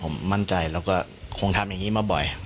ผมมั่นใจแล้วก็คงทำอย่างนี้มาบ่อย